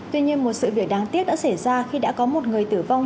tuy nhiên một sự việc đáng tiếc đã xảy ra khi đã có một người tử vong